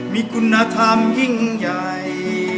มีคุณธรรมยิ่งใหญ่